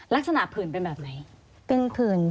ลักษณะผื่นเป็นแบบไหน